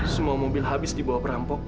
semua mobil habis dibawa perampok